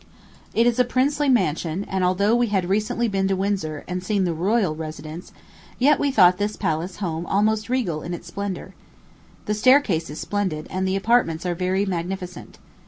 It is a princely mansion; and, although we had recently been to Windsor, and seen the royal residence, yet we thought this palace home almost regal in its splendor. The staircase is splendid, and the apartments are very magnificent.